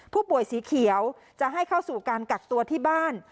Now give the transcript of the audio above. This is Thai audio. ผู้ป่วยสีเขียวจะให้เข้าสู่การกักตัวที่บ้าน